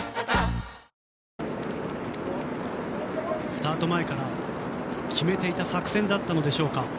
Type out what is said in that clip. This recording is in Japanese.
スタート前から決めていた作戦だったのでしょうか。